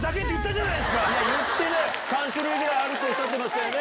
３種類ぐらいあるっておっしゃってましたよね？